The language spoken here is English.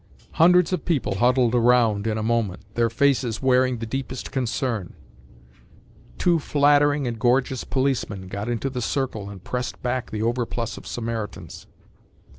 Hundreds of people huddled around in a moment, their faces wearing the deepest concern. Two flattering and gorgeous policemen got into the circle and pressed back the overplus of Samaritans.